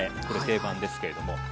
これ定番ですけれども。